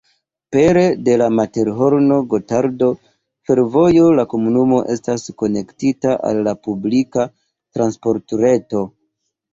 Pere de la Materhorno-Gotardo-Fervojo la komunumo estas konektita al la publika transportreto.